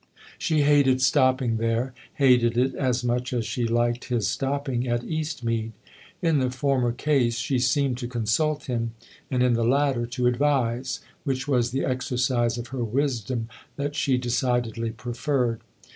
She hated stopping there, hated it as much as she liked his stopping at Eastmead : in the former case she seemed to consult him and in the latter to advise, which was the exercise of her wisdom that she decidedly preferred.